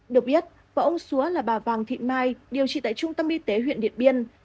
được biết vợ ông xúa là bà vàng thị mai điều trị tại trung tâm y tế huyện điện biên